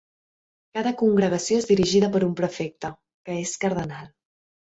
Cada congregació és dirigida per un prefecte, que és cardenal.